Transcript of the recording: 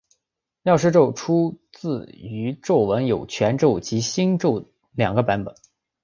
药师咒出自于咒文有全咒及心咒两个版本。